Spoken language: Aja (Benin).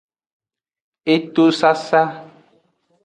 Eto sasa.